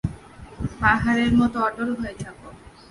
পাহাড়ের মত অটল হয়ে থাক।